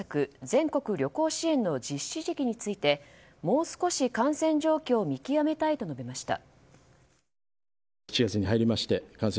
全国旅行支援の実施時期についてもう少し感染状況を見極めたいと述べました。